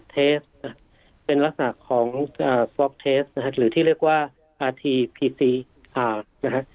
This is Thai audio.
เทสต์เป็นลักษณะของอ่าหรือที่เรียกว่าอาร์ทีพีซีอ่านะคะ